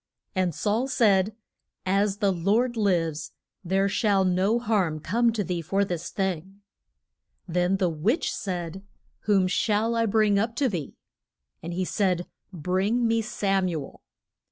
And Saul said, As the Lord lives there shall no harm come to thee for this thing. Then the witch said, Whom shall I bring up to thee? And he said, Bring me Sam u el.